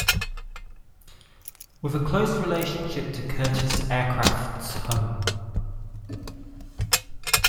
With a close relationship to Curtiss aircraft's home.